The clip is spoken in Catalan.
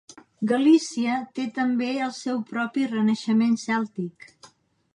Galícia té també el seu propi renaixement cèltic.